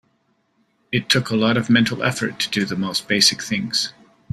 It took a lot of mental effort to do the most basic things.